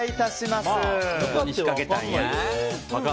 どこに仕掛けたんや？